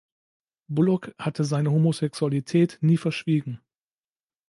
Bullock hatte seine Homosexualität nie verschwiegen.